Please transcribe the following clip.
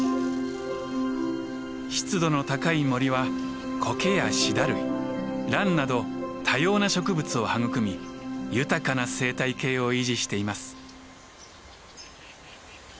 湿度の高い森はコケやシダ類ランなど多様な植物を育み豊かな生態系を維持しています。